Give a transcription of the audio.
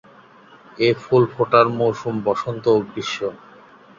এ ফুল ফোটার মৌসুম বসন্ত ও গ্রীষ্ম।